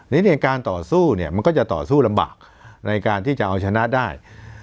ในการต่อสู้เนี่ยมันก็จะต่อสู้ลำบากในการที่จะเอาชนะได้